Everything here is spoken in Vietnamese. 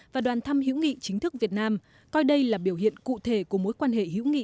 và đoàn thăm hữu nghị chính thức việt nam coi đây là biểu hiện cụ thể của mối quan hệ hữu nghị